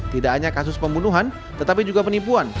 tidak hanya kasus pembunuhan tetapi juga penipuan